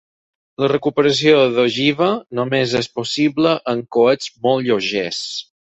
La recuperació de l'ogiva només és possible en coets molt lleugers.